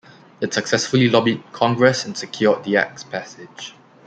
It successfully lobbied Congress and secured the act's passage.